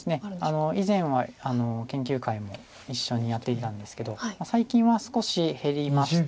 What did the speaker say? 以前は研究会も一緒にやっていたんですけど最近は少し減りまして。